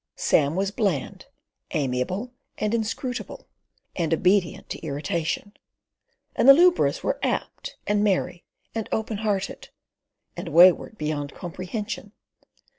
Sam was bland, amiable, and inscrutable, and obedient to irritation; and the lubras were apt, and merry, and open hearted, and wayward beyond comprehension.